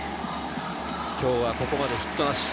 今日はここまでヒットなし。